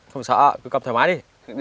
không sợ cứ cầm thoải mái đi